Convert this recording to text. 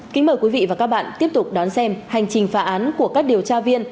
kính mời quý vị và các bạn tiếp tục đón xem hành trình phá án của các điều tra viên